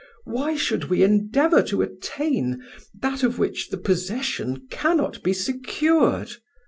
Why should we endeavour to attain that of which the possession cannot be secured?